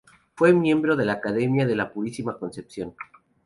Fue miembro de la academia de la Purísima Concepción.